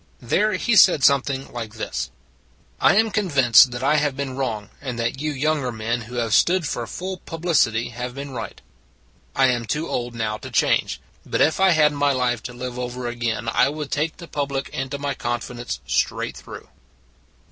There he said something like this :" I am convinced that I have been wrong, and that you younger men who have stood for full publicity have been right. I am too old now to change : but if I had my life to live over again I would take the public into my confidence straight through."